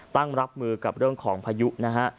รับมือกับเรื่องของพายุนะฮะ